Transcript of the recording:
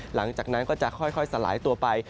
หลังจากนั้นก็จะค่อยสลายตัวไป